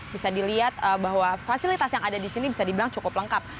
bisa dilihat bahwa fasilitas yang ada di sini bisa dibilang cukup lengkap